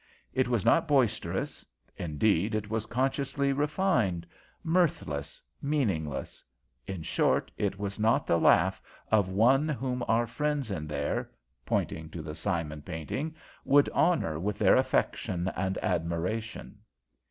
It was not boisterous; indeed, it was consciously refined, mirthless, meaningless. In short, it was not the laugh of one whom our friends in there" pointing to the Simon painting "would honour with their affection and admiration."